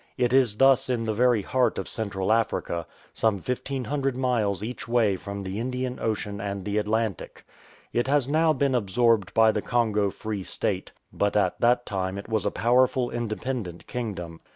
It is thus in the very heart of Central Africa, some 1500 miles each way from the Indian Ocean and the Atlantic. It has now been absorbed by the Congo Free State, but at that time it was a powerful independent kingdom.